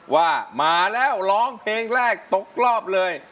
ว่ามาแล้วร้องเพลงแรกตกรอบเลย